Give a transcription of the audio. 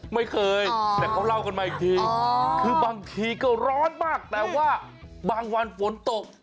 ไม่เคยแต่เขาเล่ากันมาอีกทีคือบางทีก็ร้อนมากแต่ว่าบางวันฝนตก